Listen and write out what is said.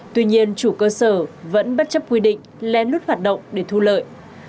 tuy nhiên chủ cơ sở vẫn bất chấp quy định lén lút hoạt động để thu lợi